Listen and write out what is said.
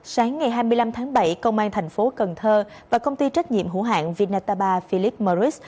sáng ngày hai mươi năm tháng bảy công an thành phố cần thơ và công ty trách nhiệm hữu hạng vinataba philip marist